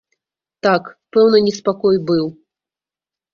Так, пэўны неспакой быў.